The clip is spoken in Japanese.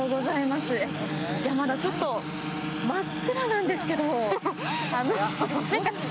またちょっと真っ暗なんですけど。